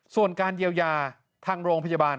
ส่วนการเยียวยาทางโรงพยาบาล